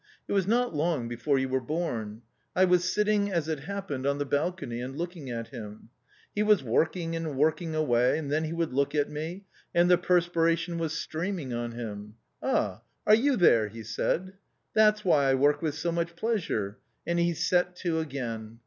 It was not long before you were born. I was sitting, as it happened, on the balcony and looking at him. He was working and working away, and then he would look at me, and the perspiration was streaming on him. ' Ah ! are you there ?' he said. * That's why I work with so much pleasure/ and he set to again.